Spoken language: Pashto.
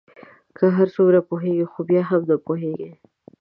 که هر څومره پوهیږی خو بیا هم نه پوهیږې